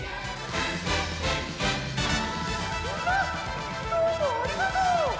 みんなどうもありがとう！